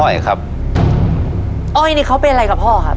อ้อยครับอ้อยนี่เขาเป็นอะไรกับพ่อครับ